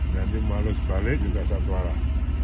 nanti malus balik juga satu arah